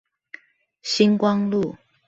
新光路